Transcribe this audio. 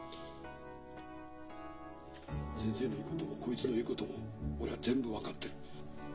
先生の言うこともこいつの言うことも俺は全部分かってる。